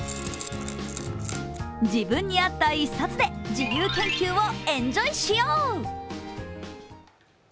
自分に合った１冊で自由研究をエンジョイしよう！